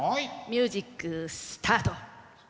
ミュージックスタート！